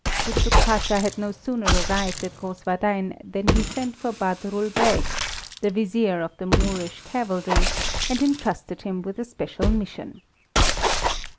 Kuczuk Pasha had no sooner arrived at Grosswardein than he sent for Badrul Beg, the vizier of the Moorish cavalry, and entrusted him with a special mission.